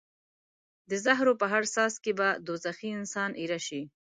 د زهرو په هر څاڅکي به دوزخي انسان ایره شي.